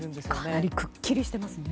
かなりくっきりしてますよね。